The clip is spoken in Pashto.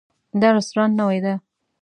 دا رستورانت نوی ده